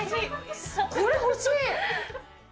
これ、欲しい。